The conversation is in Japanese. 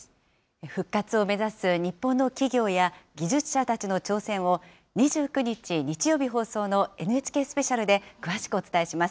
復活を目指す日本の企業や技術者たちの挑戦を、２９日日曜日放送のＮＨＫスペシャルで詳しくお伝えします。